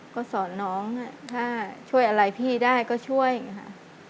ก็สอนน้องถ้าช่วยอะไรพี่ได้ก็ช่วยค่ะ